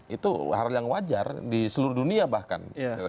itu hal yang wajar di seluruh dunia bahkan